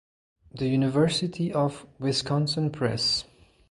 The University of Wisconsin Press.